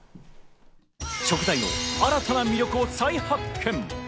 食材の新たな魅力を再発見！